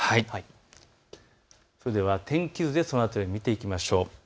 それでは天気図で見ていきましょう。